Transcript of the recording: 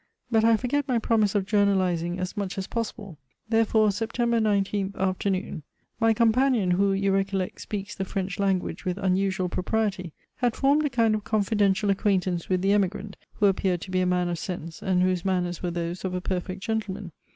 But I forget my promise of journalizing as much as possible. Therefore, Septr. 19th Afternoon. My companion, who, you recollect, speaks the French language with unusual propriety, had formed a kind of confidential acquaintance with the emigrant, who appeared to be a man of sense, and whose manners were those of a perfect gentleman.